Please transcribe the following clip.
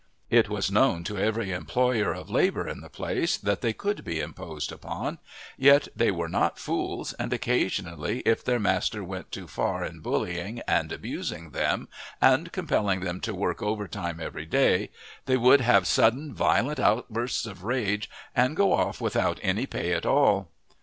It was known to every employer of labour in the place that they could be imposed upon; yet they were not fools, and occasionally if their master went too far in bullying and abusing them and compelling them to work overtime every day, they would have sudden violent outbursts of rage and go off without any pay at all.